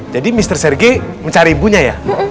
jadi mr serge mencari ibunya ya